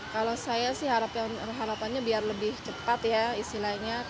kalau saya sih harapannya biar lebih cepat ya istilahnya